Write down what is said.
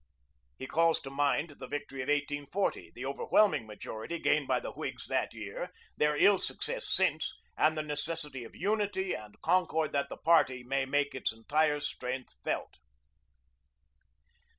'" He calls to mind the victory of 1840, the overwhelming majority gained by the Whigs that year, their ill success since, and the necessity of unity and concord that the party may make its entire strength felt.